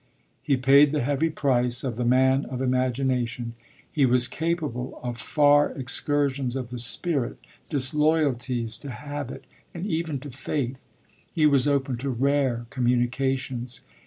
He paid the heavy price of the man of imagination; he was capable of far excursions of the spirit, disloyalties to habit and even to faith, he was open to rare communications.